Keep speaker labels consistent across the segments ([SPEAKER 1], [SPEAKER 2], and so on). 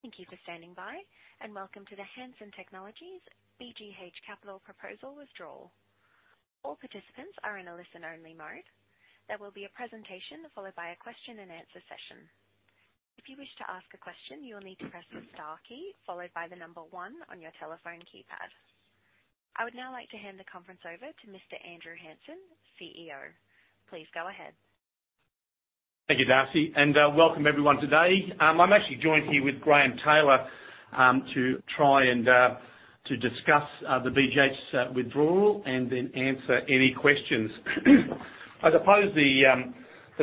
[SPEAKER 1] Thank you for standing by, and welcome to the Hansen Technologies BGH Capital proposal withdrawal. I would now like to hand the conference over to Mr. Andrew Hansen, CEO. Please go ahead.
[SPEAKER 2] Thank you, Darcy, and welcome everyone today. I'm actually joined here with Graeme Taylor to try and discuss the BGH's withdrawal and then answer any questions. I suppose the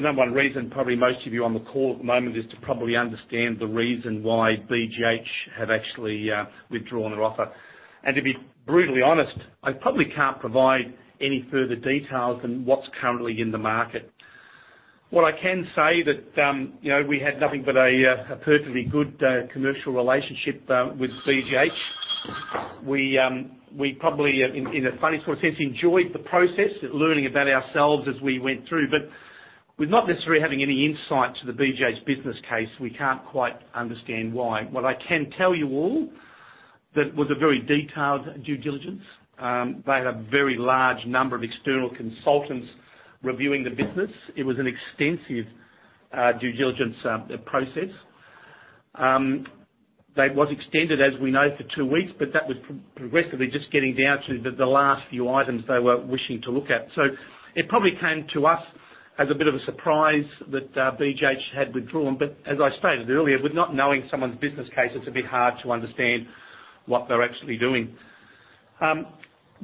[SPEAKER 2] number one reason probably most of you on the call at the moment is to probably understand the reason why BGH have actually withdrawn their offer. To be brutally honest, I probably can't provide any further details than what's currently in the market. What I can say that we had nothing but a perfectly good commercial relationship with BGH. We probably, in a funny sort of sense, enjoyed the process, learning about ourselves as we went through. With not necessarily having any insight to the BGH's business case, we can't quite understand why. What I can tell you all, that it was a very detailed due diligence. They had a very large number of external consultants reviewing the business. It was an extensive due diligence process. That was extended, as we know, for two weeks, but that was progressively just getting down to the last few items they were wishing to look at. It probably came to us as a bit of a surprise that BGH had withdrawn. As I stated earlier, with not knowing someone's business case, it's a bit hard to understand what they're actually doing.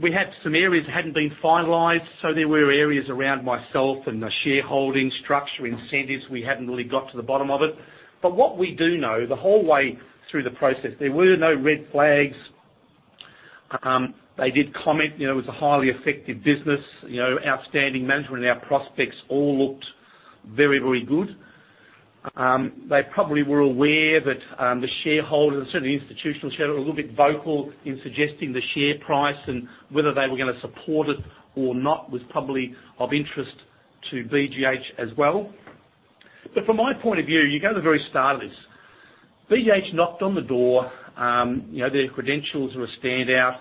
[SPEAKER 2] We had some areas that hadn't been finalized, so there were areas around myself and the shareholding structure incentives. We hadn't really got to the bottom of it. What we do know, the whole way through the process, there were no red flags. They did comment, it was a highly effective business, outstanding management, and our prospects all looked very, very good. They probably were aware that the shareholders, certainly institutional shareholders, were a little bit vocal in suggesting the share price and whether they were going to support it or not was probably of interest to BGH as well. From my point of view, you go to the very start of this. BGH knocked on the door. Their credentials were a standout.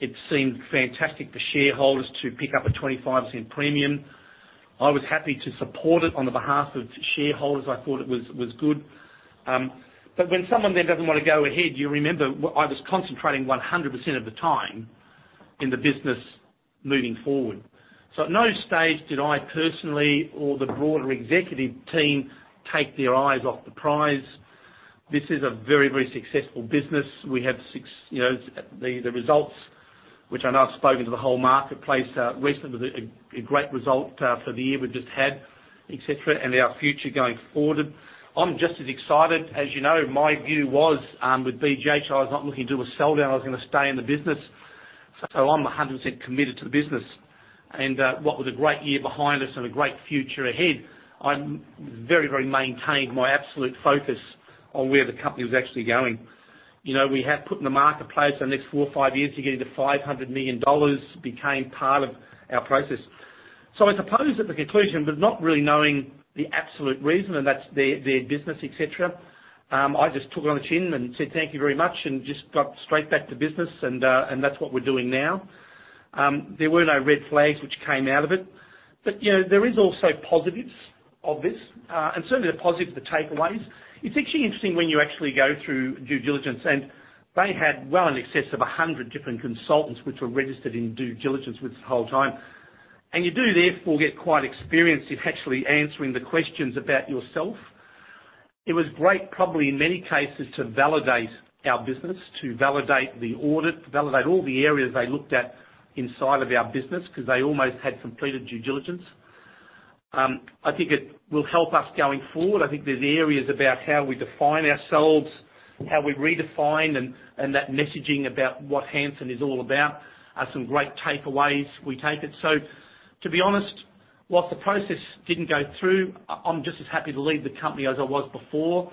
[SPEAKER 2] It seemed fantastic for shareholders to pick up a 0.25 premium. I was happy to support it on the behalf of shareholders. I thought it was good. When someone then doesn't want to go ahead, you remember I was concentrating 100% of the time in the business moving forward. At no stage did I personally or the broader executive team take their eyes off the prize. This is a very successful business. The results, which I know I've spoken to the whole marketplace recently, was a great result for the year we've just had, et cetera, and our future going forward. I'm just as excited. As you know, my view was, with BGH, I was not looking to do a sell-down. I was going to stay in the business. I'm 100% committed to the business. What with a great year behind us and a great future ahead, I'm very maintained my absolute focus on where the company was actually going. We have put in the marketplace the next four or five years to get into 500 million dollars became part of our process. I suppose at the conclusion, but not really knowing the absolute reason, and that's their business, et cetera, I just took it on the chin and said, "Thank you very much," and just got straight back to business, and that's what we're doing now. There were no red flags which came out of it. There is also positives of this, and certainly the positive, the takeaways. It's actually interesting when you actually go through due diligence, and they had well in excess of 100 different consultants which were registered in due diligence with the whole time. You do, therefore, get quite experienced in actually answering the questions about yourself. It was great, probably in many cases, to validate our business, to validate the audit, to validate all the areas they looked at inside of our business because they almost had completed due diligence. I think it will help us going forward. I think there's areas about how we define ourselves, how we redefined, and that messaging about what Hansen is all about are some great takeaways we take it. To be honest, whilst the process didn't go through, I'm just as happy to lead the company as I was before.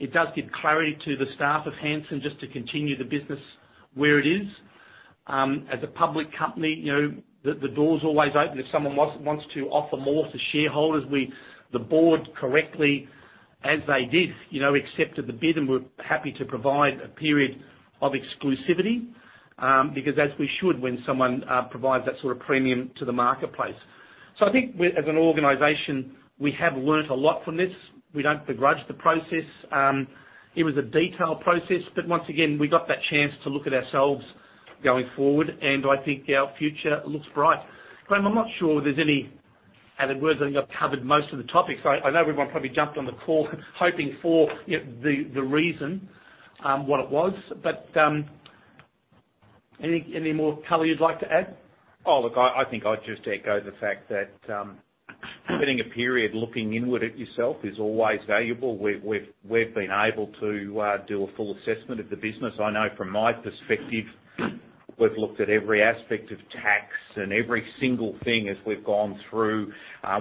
[SPEAKER 2] It does give clarity to the staff of Hansen just to continue the business where it is. As a public company, the door's always open if someone wants to offer more to shareholders. The board correctly, as they did, accepted the bid, and we're happy to provide a period of exclusivity, because as we should when someone provides that sort of premium to the marketplace. I think as an organization, we have learned a lot from this. We don't begrudge the process. It was a detailed process. Once again, we got that chance to look at ourselves going forward, and I think our future looks bright. Graeme, I'm not sure there's any other words. I think I've covered most of the topics. I know everyone probably jumped on the call hoping for the reason, what it was. Any more color you'd like to add?
[SPEAKER 3] I think I'd just echo the fact that getting a period looking inward at yourself is always valuable. We've been able to do a full assessment of the business. I know from my perspective, we've looked at every aspect of tax and every single thing as we've gone through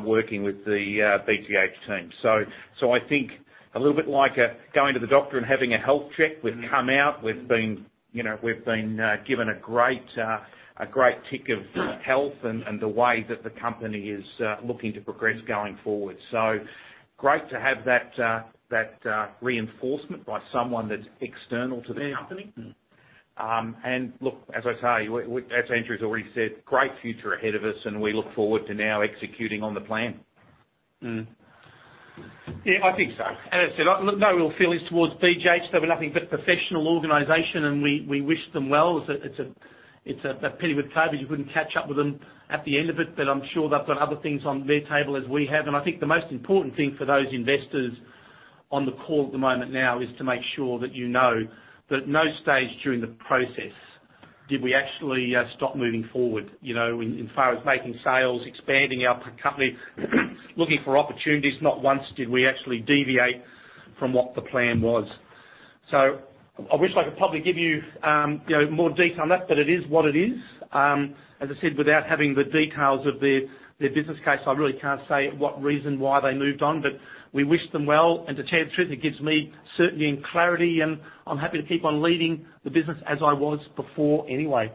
[SPEAKER 3] working with the BGH team. I think a little bit like going to the doctor and having a health check. We've come out, we've been given a great tick of health and the way that the company is looking to progress going forward. Great to have that reinforcement by someone that's external to the company. Look, as I say, as Andrew's already said, great future ahead of us and we look forward to now executing on the plan.
[SPEAKER 2] Yeah, I think so. As I said, no real feelings towards BGH. They were nothing but a professional organization, and we wish them well. It's a pity with COVID you couldn't catch up with them at the end of it, but I'm sure they've got other things on their table as we have. I think the most important thing for those investors on the call at the moment now is to make sure that you know that at no stage during the process did we actually stop moving forward, insofar as making sales, expanding our company, looking for opportunities. Not once did we actually deviate from what the plan was. I wish I could probably give you more detail on that, but it is what it is. As I said, without having the details of their business case, I really can't say what reason why they moved on. We wish them well and to tell you the truth, it gives me certainty and clarity and I'm happy to keep on leading the business as I was before anyway.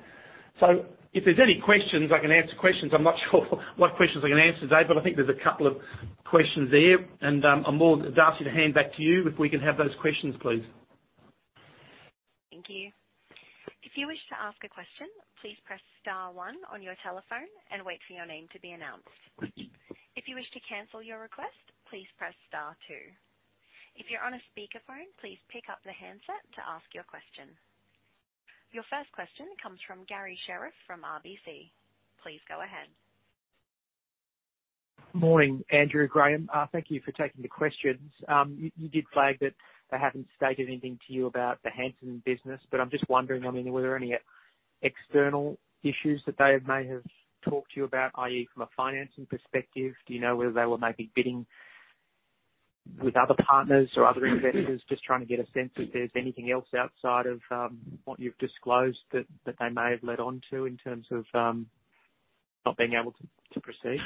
[SPEAKER 2] If there's any questions, I can answer questions. I'm not sure what questions I can answer today, but I think there's a couple of questions there and I'm more than happy to hand back to you if we can have those questions, please.
[SPEAKER 1] Thank you. If you wish to ask a question, please press star one on your telephone and wait for your name to be announced. If you wish to cancel your request, please press star two. If you're on a speakerphone, please pick up the handset to ask your question. Your first question comes from Garry Sherriff from RBC. Please go ahead.
[SPEAKER 4] Morning, Andrew, Graeme. Thank you for taking the questions. You did flag that they haven't stated anything to you about the Hansen business, but I'm just wondering, were there any external issues that they may have talked to you about, i.e., from a financing perspective? Do you know whether they were maybe bidding with other partners or other investors? I am just trying to get a sense if there's anything else outside of what you've disclosed that they may have led on to in terms of not being able to proceed.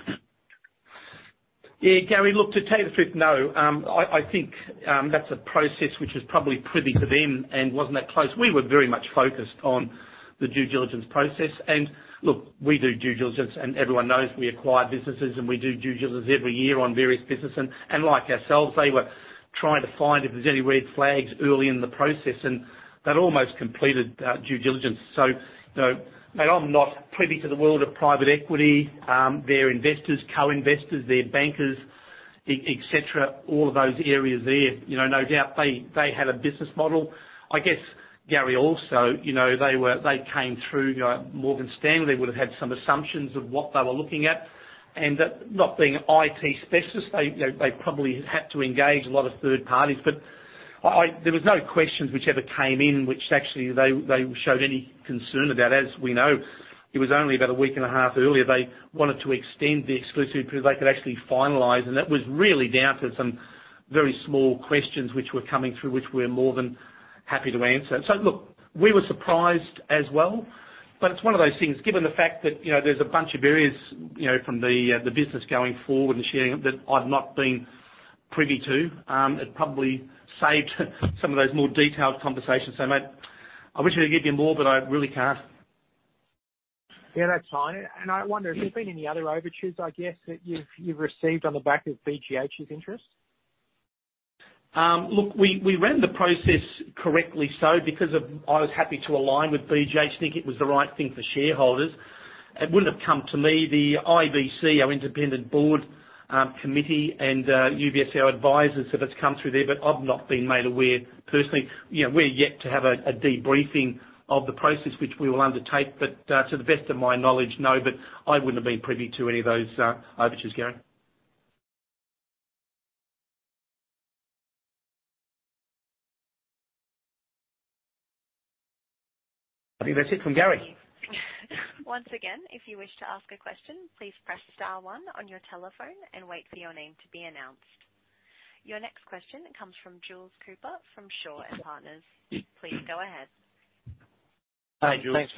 [SPEAKER 2] Yeah. Garry, look, to tell you the truth, no. I think that's a process which is probably privy to them and wasn't that close. We were very much focused on the due diligence process. Look, we do due diligence and everyone knows we acquire businesses and we do due diligence every year on various business and like ourselves, they were trying to find if there's any red flags early in the process and they'd almost completed due diligence. Mate, I'm not privy to the world of private equity, their investors, co-investors, their bankers, et cetera, all of those areas there. They had a business model. I guess, Garry, also, they came through Morgan Stanley. They would've had some assumptions of what they were looking at. Not being an IT specialist, they probably had to engage a lot of third parties. There was no questions which ever came in, which actually they showed any concern about. As we know, it was only about a week and a half earlier, they wanted to extend the exclusive because they could actually finalize and that was really down to some very small questions which were coming through, which we're more than happy to answer. Look, we were surprised as well, but it's one of those things, given the fact that there's a bunch of areas from the business going forward and sharing that I've not been privy to, it probably saved some of those more detailed conversations. Mate, I wish I could give you more, but I really can't.
[SPEAKER 4] Yeah, that's fine. I wonder, have there been any other overtures, I guess, that you've received on the back of BGH's interest?
[SPEAKER 2] Look, we ran the process correctly so because I was happy to align with BGH, think it was the right thing for shareholders. It wouldn't have come to me, the IBC, our independent board committee and UBS, our advisors, if it's come through there, but I've not been made aware personally. We're yet to have a debriefing of the process which we will undertake, but to the best of my knowledge, no. I wouldn't have been privy to any of those overtures, Garry. I think that's it from Garry.
[SPEAKER 1] Once again, if you wish to ask a question, please press star one on your telephone and wait for your name to be announced. Your next question comes from Jules Cooper from Shaw and Partners. Please go ahead.
[SPEAKER 2] Hey, Jules.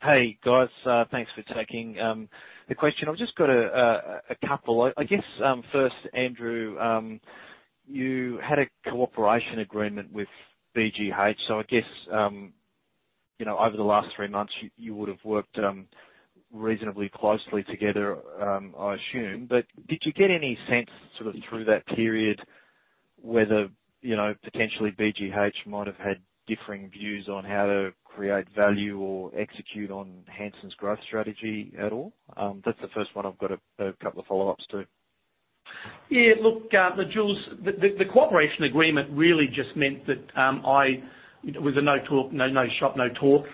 [SPEAKER 5] Hey, guys. Thanks for taking the question. I've just got a couple. I guess, first Andrew, you had a cooperation agreement with BGH, so I guess, over the last three months you would've worked reasonably closely together, I assume. Did you get any sense sort of through that period whether potentially BGH might have had differing views on how to create value or execute on Hansen's growth strategy at all? That's the first one. I've got a couple of follow-ups too.
[SPEAKER 2] Yeah. Look, Jules, the cooperation agreement really just meant that with a no-shop, no-talk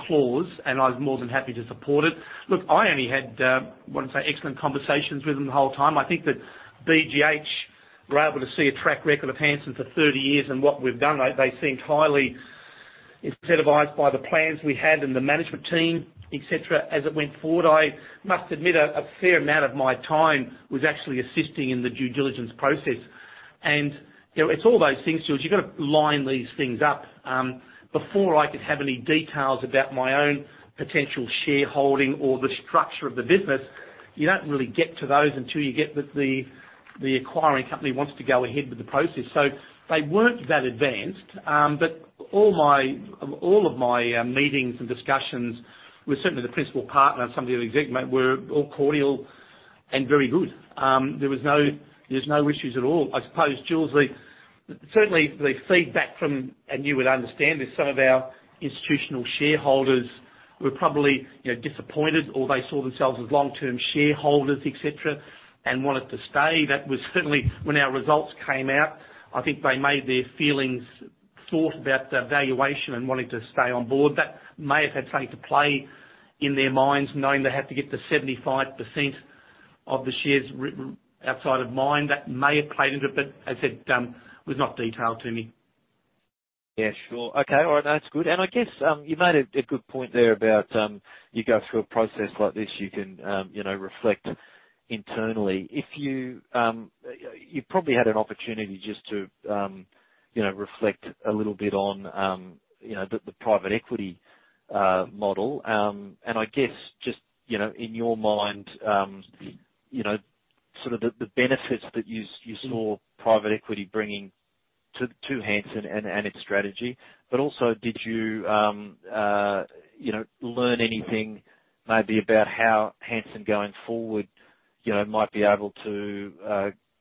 [SPEAKER 2] clause, and I was more than happy to support it. Look, I only had, I want to say, excellent conversations with them the whole time. I think that BGH were able to see a track record of Hansen for 30 years and what we've done, they seemed highly incentivized by the plans we had and the management team, et cetera, as it went forward. I must admit, a fair amount of my time was actually assisting in the due diligence process. It's all those things, Jules. You've got to line these things up. Before I could have any details about my own potential shareholding or the structure of the business, you don't really get to those until you get that the acquiring company wants to go ahead with the process. They weren't that advanced. All of my meetings and discussions with certainly the principal partner and some of the exec, mate, were all cordial and very good. There was no issues at all. I suppose, Jules, certainly the feedback from, and you would understand this, some of our institutional shareholders were probably disappointed, or they saw themselves as long-term shareholders, et cetera, and wanted to stay. That was certainly when our results came out, I think they made their feelings thought about the valuation and wanting to stay on board. That may have had something to play in their minds, knowing they have to get to 75% of the shares written outside of mine. That may have played into it, but as I said, was not detailed to me.
[SPEAKER 5] Yeah, sure. Okay. All right, that's good. I guess, you made a good point there about, you go through a process like this, you can reflect internally. You probably had an opportunity just to reflect a little bit on the private equity model. I guess, just in your mind, sort of the benefits that you saw private equity bringing to Hansen and its strategy. Also, did you learn anything maybe about how Hansen going forward might be able to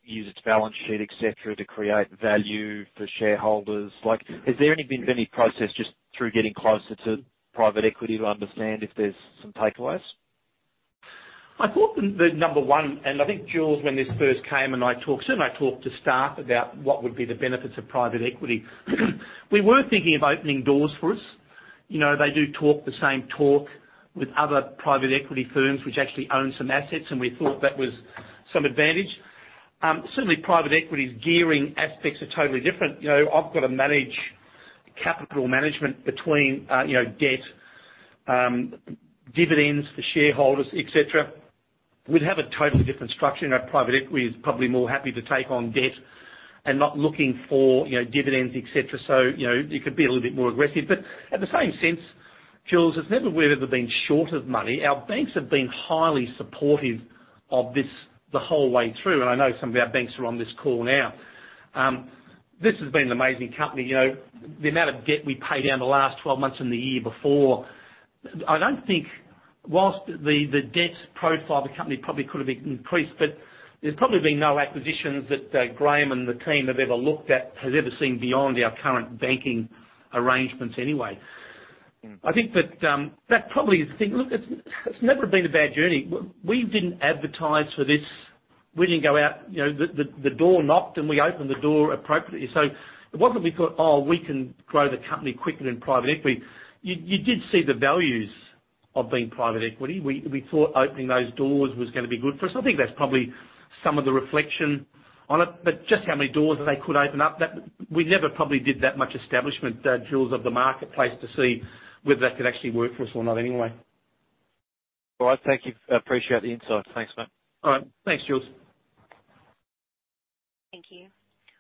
[SPEAKER 5] use its balance sheet, et cetera, to create value for shareholders? Like, has there been any process just through getting closer to private equity to understand if there's some takeaways?
[SPEAKER 2] I thought the number one, and I think, Jules, when this first came and I talked, certainly I talked to staff about what would be the benefits of private equity. We were thinking of opening doors for us. They do talk the same talk with other private equity firms, which actually own some assets, and we thought that was some advantage. Certainly, private equity's gearing aspects are totally different. I've got to manage capital management between debt, dividends for shareholders, et cetera. We'd have a totally different structure. Private equity is probably more happy to take on debt and not looking for dividends, et cetera. It could be a little bit more aggressive. At the same sense, Jules, it's never we've ever been short of money. Our banks have been highly supportive of this the whole way through, and I know some of our banks are on this call now. This has been an amazing company. The amount of debt we paid down the last 12 months and the year before, I don't think while the debt profile of the company probably could have increased, but there's probably been no acquisitions that Graeme and the team have ever looked at, has ever seen beyond our current banking arrangements anyway. I think that probably is the thing. Look, it's never been a bad journey. We didn't advertise for this. We didn't go out. The door knocked, and we opened the door appropriately. It wasn't we thought, "Oh, we can grow the company quicker than private equity." You did see the values of being private equity. We thought opening those doors was gonna be good for us. I think that's probably some of the reflection on it. Just how many doors they could open up, we never probably did that much establishment, Jules, of the marketplace to see whether that could actually work for us or not anyway.
[SPEAKER 5] All right. Thank you. I appreciate the insight. Thanks, mate.
[SPEAKER 2] All right. Thanks, Jules.
[SPEAKER 1] Thank you.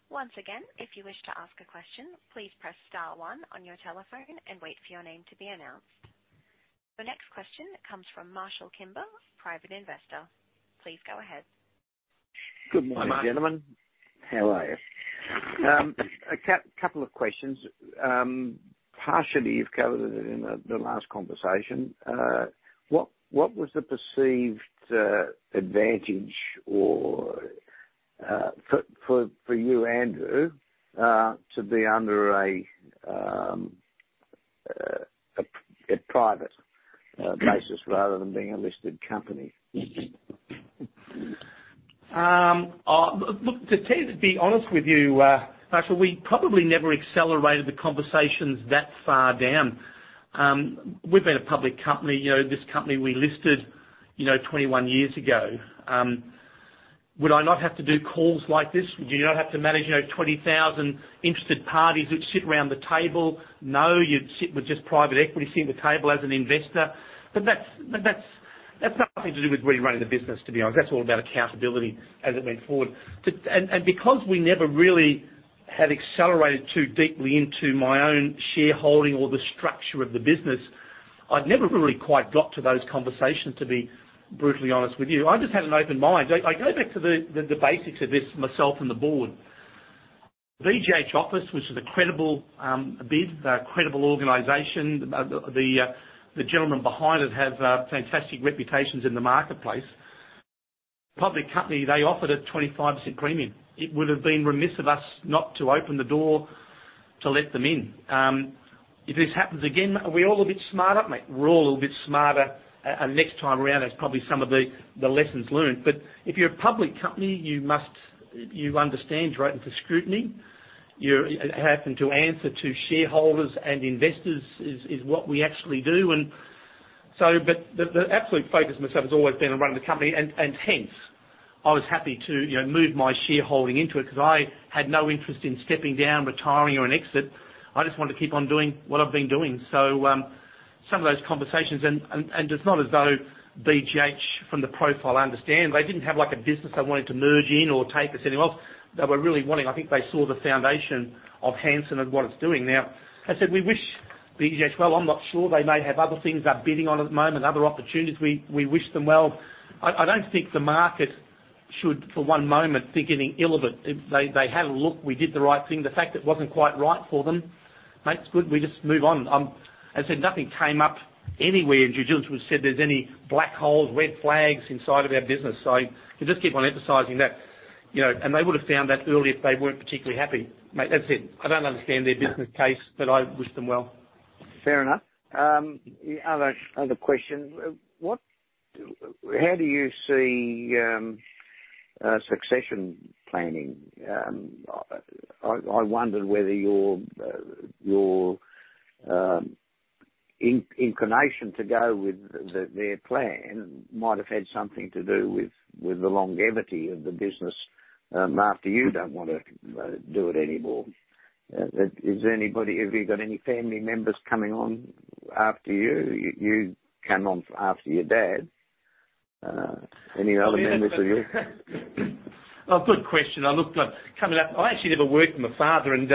[SPEAKER 1] Once again, if you wish to ask a question, please press star one on your telephone and wait for your name to be announced. The next question comes from Marshall Kimber, Private Investor. Please go ahead.
[SPEAKER 6] Good morning, gentlemen.
[SPEAKER 2] Hi, Marshall.
[SPEAKER 6] How are you? A couple of questions. Partially, you've covered it in the last conversation. What was the perceived advantage or, for you, Andrew, to be under a private basis rather than being a listed company?
[SPEAKER 2] Look, to be honest with you, Marshall, we probably never accelerated the conversations that far down. We've been a public company. This company, we listed 21 years ago. Would I not have to do calls like this? Would you not have to manage 20,000 interested parties that sit around the table? No, you'd sit with just private equity, sit at the table as an investor. That's nothing to do with really running the business, to be honest. That's all about accountability as it went forward. Because we never really had accelerated too deeply into my own shareholding or the structure of the business, I've never really quite got to those conversations, to be brutally honest with you. I just had an open mind. I go back to the basics of this, myself and the board. BGH Capital, which was a credible bid, a credible organization. The gentleman behind it has fantastic reputations in the marketplace. Public company, they offered a 25% premium. It would have been remiss of us not to open the door to let them in. If this happens again, are we all a bit smarter? Mate, we're all a little bit smarter. Next time around, that's probably some of the lessons learned. If you're a public company, you understand you're open to scrutiny. You happen to answer to shareholders and investors, is what we actually do. The absolute focus of myself has always been on running the company. Hence, I was happy to move my shareholding into it because I had no interest in stepping down, retiring, or an exit. I just wanted to keep on doing what I've been doing. Some of those conversations, and it's not as though BGH, from the profile, I understand. They didn't have a business they wanted to merge in or take us anywhere else. They were really wanting, I think they saw the foundation of Hansen and what it's doing now. As I said, we wish BGH as well. I'm not sure. They may have other things they're bidding on at the moment, other opportunities. We wish them well. I don't think the market should for one moment think any ill of it. They had a look, we did the right thing. The fact it wasn't quite right for them, mate, it's good. We just move on. As I said, nothing came up anywhere in due diligence which said there's any black holes, red flags inside of our business. I can just keep on emphasizing that. They would've found that early if they weren't particularly happy. Mate, that's it. I don't understand their business case, but I wish them well.
[SPEAKER 6] Fair enough. Other question. How do you see succession planning? I wondered whether your inclination to go with their plan might have had something to do with the longevity of the business after you don't want to do it anymore. Have you got any family members coming on after you? You came on after your dad. Any other members of your.
[SPEAKER 2] A good question. Look, I actually never worked for my father and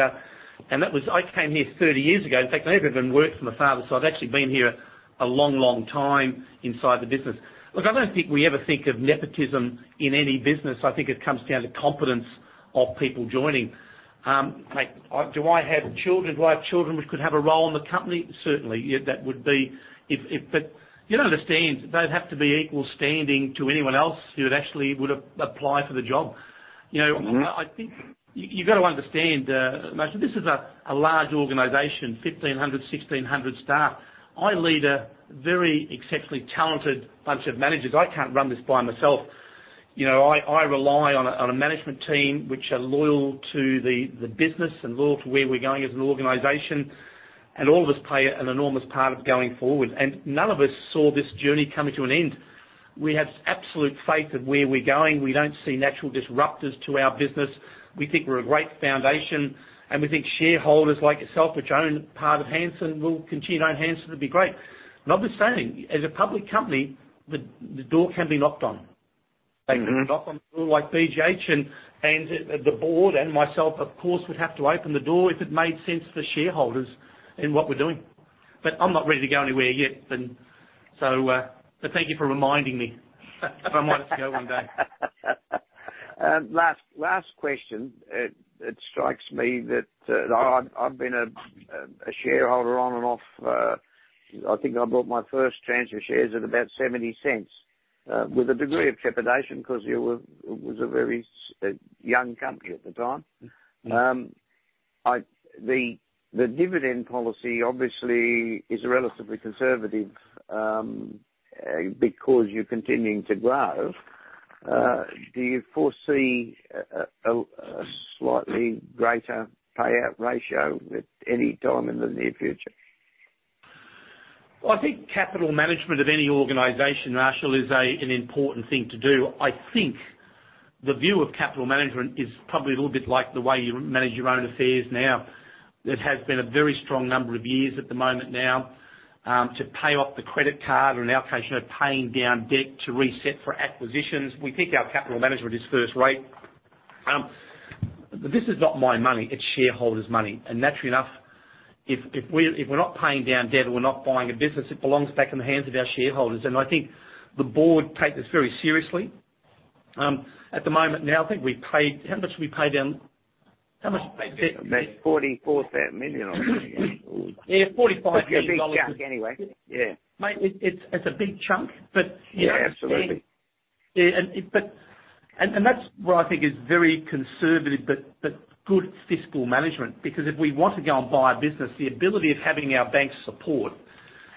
[SPEAKER 2] I came here 30 years ago. In fact, I've never even worked for my father. I've actually been here a long time inside the business. Look, I don't think we ever think of nepotism in any business. I think it comes down to competence of people joining. Mate, do I have children? Do I have children which could have a role in the company? Certainly. You don't understand, they'd have to be equal standing to anyone else who would actually apply for the job. I think you've got to understand, Marshall, this is a large organization, 1,500, 1,600 staff. I lead a very exceptionally talented bunch of managers. I can't run this by myself. I rely on a management team which are loyal to the business and loyal to where we're going as an organization. All of us play an enormous part of going forward. None of us saw this journey coming to an end. We have absolute faith of where we're going. We don't see natural disruptors to our business. We think we're a great foundation. We think shareholders like yourself, which own part of Hansen, will continue to own Hansen. It'd be great. Not with standing, as a public company, the door can be knocked on. They can knock on the door like BGH and the board and myself, of course, would have to open the door if it made sense for shareholders in what we're doing. I'm not ready to go anywhere yet. Thank you for reminding me if I wanted to go one day.
[SPEAKER 6] Last question. It strikes me that I've been a shareholder on and off. I think I bought my first Hansen shares at about 0.70, with a degree of trepidation because it was a very young company at the time. The dividend policy obviously is relatively conservative because you're continuing to grow. Do you foresee a slightly greater payout ratio at any time in the near future?
[SPEAKER 2] Well, I think capital management of any organization, Marshall, is an important thing to do. I think the view of capital management is probably a little bit like the way you manage your own affairs now. It has been a very strong number of years at the moment now to pay off the credit card or in our case, paying down debt to reset for acquisitions. We think our capital management is first rate. This is not my money, it's shareholders' money. Naturally enough, if we're not paying down debt and we're not buying a business, it belongs back in the hands of our shareholders. I think the board take this very seriously. At the moment now, I think how much have we paid down? How much debt
[SPEAKER 3] About AUD 44,000 million.
[SPEAKER 2] Yeah, AUD 45 million.
[SPEAKER 6] It's a big chunk anyway. Yeah.
[SPEAKER 2] Mate, it's a big chunk.
[SPEAKER 6] Yeah, absolutely.
[SPEAKER 2] That's what I think is very conservative, but good fiscal management. Because if we want to go and buy a business, the ability of having our bank's support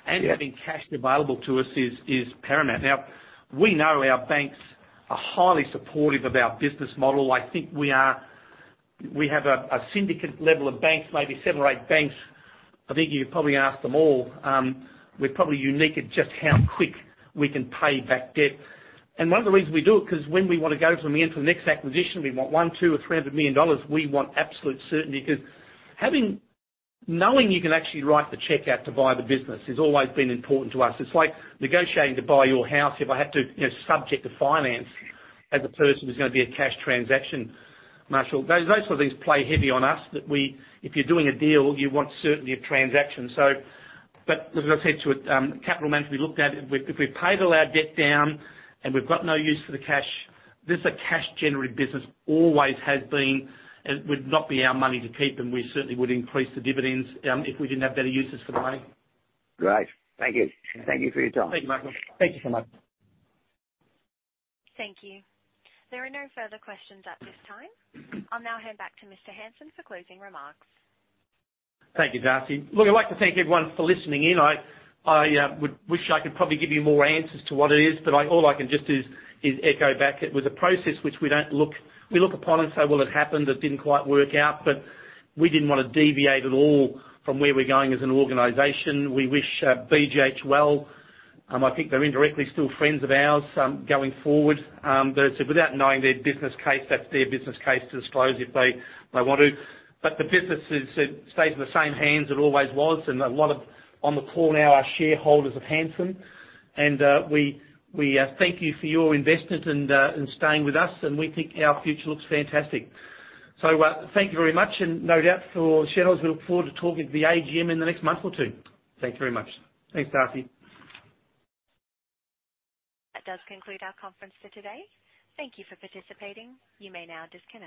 [SPEAKER 2] and having cash available to us is paramount. Now, we know our banks are highly supportive of our business model. I think we have a syndicate level of banks, maybe seven or eight banks. I think you've probably asked them all. We're probably unique at just how quick we can pay back debt. One of the reasons we do it, because when we want to go from the end to the next acquisition, we want 100 million, 200 million, or 300 million dollars, we want absolute certainty because knowing you can actually write the check out to buy the business has always been important to us. It's like negotiating to buy your house if I had to subject to finance as a person who's going to be a cash transaction, Marshall. Those sort of things play heavy on us, that if you're doing a deal, you want certainty of transaction. As I said to it, capital management, we looked at it. If we've paid all our debt down and we've got no use for the cash, this is a cash generative business, always has been. It would not be our money to keep, and we certainly would increase the dividends, if we didn't have better uses for the money.
[SPEAKER 6] Great. Thank you. Thank you for your time.
[SPEAKER 2] Thank you, Marshall. Thank you so much.
[SPEAKER 1] Thank you. There are no further questions at this time. I will now hand back to Mr. Hansen for closing remarks.
[SPEAKER 2] Thank you, Darcy. Look, I'd like to thank everyone for listening in. I wish I could probably give you more answers to what it is, but all I can just do is echo back. It was a process which we look upon and say, "Well, it happened, it didn't quite work out." We didn't want to deviate at all from where we're going as an organization. We wish BGH Capital well. I think they're indirectly still friends of ours going forward. As I said, without knowing their business case, that's their business case to disclose if they want to. The business stays in the same hands it always was, and a lot of on the call now are shareholders of Hansen. We thank you for your investment and staying with us and we think our future looks fantastic. Thank you very much, and no doubt for shareholders, we look forward to talking at the AGM in the next month or two. Thanks very much. Thanks, Darcy.
[SPEAKER 1] That does conclude our conference for today. Thank you for participating. You may now disconnect.